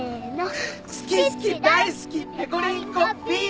好き好き大好きペコリンコビーム。